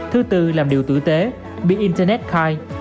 thứ tư làm điều tử tế be internet kind